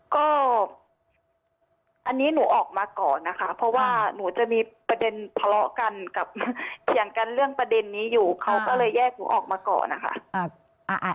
ก็อันนี้หนูออกมาก่อนนะคะเพราะว่าหนูจะมีประเด็นทะเลาะกันกับเถียงกันเรื่องประเด็นนี้อยู่เขาก็เลยแยกหนูออกมาก่อนนะคะ